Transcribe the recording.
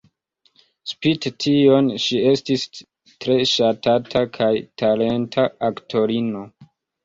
Spite tion, ŝi estis tre ŝatata kaj talenta aktorino.